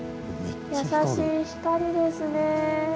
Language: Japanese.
優しい光ですね。